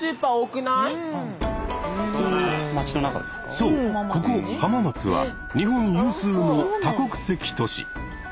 そうここ浜松は日本有数の多国籍都市。